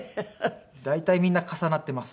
大体みんな重なっています。